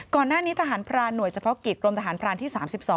ก่อนหน้านี้ทหารพรานหน่วยเฉพาะกิจรมทหารพรานที่๓๒